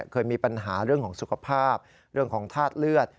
เคยมีปัญหาเรื่องของสุขภาพเรื่องของธาตุเลือด